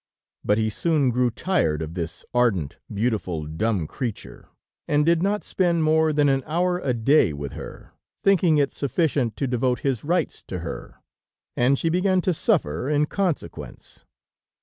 But he soon grew tired of this ardent, beautiful, dumb creature, and did not spend more than an hour a day with her, thinking it sufficient to devote his rights to her, and she began to suffer in consequence.